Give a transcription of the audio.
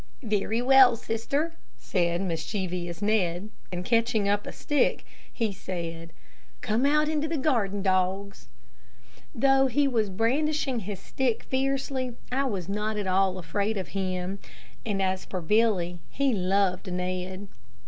"Very well, sister," said mischievous Ned; and catching up a stick, he said, "Come out into the garden, dogs." Though he was brandishing his stick very fiercely, I was not at all afraid of him; and as for Billy, he loved Ned.